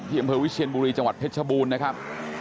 อำเภอวิเชียนบุรีจังหวัดเพชรชบูรณ์นะครับ